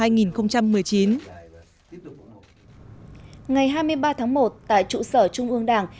ngày hai mươi ba tháng một tại trụ sở trung ương đảng